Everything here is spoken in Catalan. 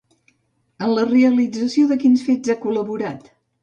En la realització de quins fets ha col·laborat?